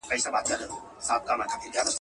دا زړه کیسه راپاته له پلرو ده.